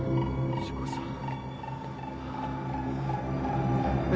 藤子さん。